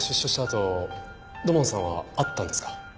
あと土門さんは会ったんですか？